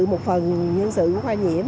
một phần nhân sự của khoa nhiễm